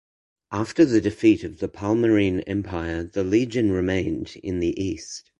After the defeat of the Palmyrene Empire the legion remained in the east.